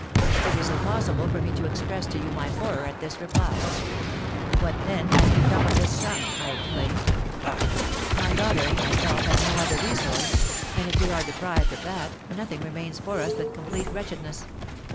"It is impossible for me to express to you my horror at this reply. 'What, then, has become of this sum?' I exclaimed. 'My daughter and myself have no other resource, and, if we are deprived of that, nothing remains for us but complete wretchedness.